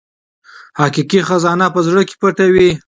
حقیقي خزانه په زړه کې پټه وي.